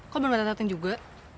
kok belum ada yang datang juga